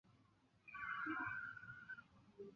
地震神为日本神话中出现的地震神只。